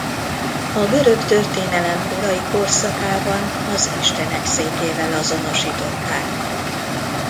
A görög történelem korai korszakában az istenek székével azonosították.